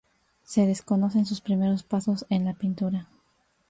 Se desconocen sus primeros pasos en la pintura.